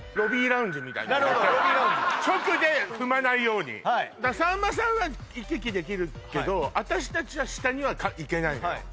ラウンジ直で踏まないようにさんまさんは行き来できるけど私たちは下には行けないのよ